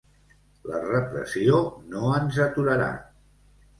La repressió no ens aturarà!